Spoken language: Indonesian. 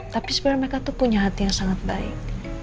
tapi sebenarnya mereka tuh punya hati yang sangat baik